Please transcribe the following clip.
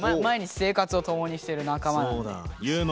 毎日生活をともにしてる仲間なんで。